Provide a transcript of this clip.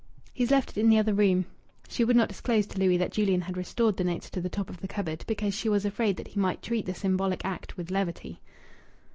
"He's left it in the other room." She would not disclose to Louis that Julian had restored the notes to the top of the cupboard, because she was afraid that he might treat the symbolic act with levity.